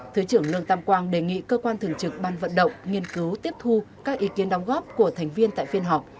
thứ trưởng lương tam quang đề nghị cơ quan thường trực ban vận động nghiên cứu tiếp thu các ý kiến đóng góp của thành viên tại phiên họp